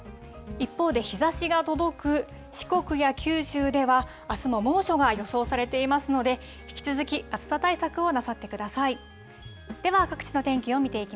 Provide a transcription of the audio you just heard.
一方で日ざしが届く四国や九州では、あすも猛暑が予想されていますので、引き続き暑さ対策をなさってください。